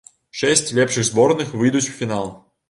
Шэсць лепшых зборных выйдуць у фінал.